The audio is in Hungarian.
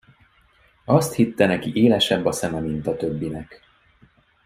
Azt hitte, neki élesebb a szeme, mint a többinek.